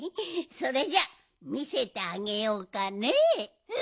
それじゃあみせてあげようかねえ。